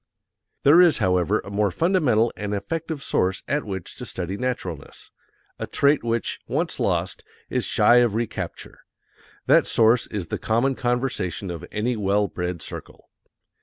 There is, however, a more fundamental and effective source at which to study naturalness a trait which, once lost, is shy of recapture: that source is the common conversation of any well bred circle.